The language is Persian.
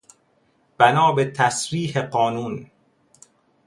بنا به تصریح قانون